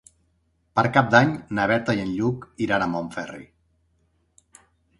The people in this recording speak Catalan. Per Cap d'Any na Berta i en Lluc iran a Montferri.